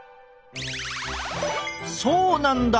そうなんだ！